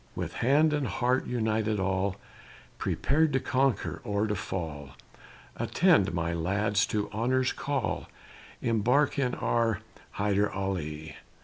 With hand and heart united all, Prepared to conquer or to fall, Attend, my lads, to honor's call, Embark in our Hyder Ali.